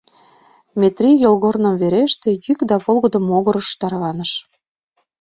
Метрий йолгорным вереште, йӱк да волгыдо могырыш тарваныш.